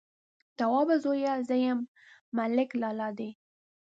_توابه زويه! زه يم، ملک لالا دې.